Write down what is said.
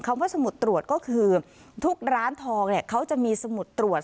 คำว่าสมุดตรวจก็คือทุกร้านทองเนี่ยเขาจะมีสมุดตรวจ